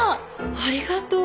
ありがとう。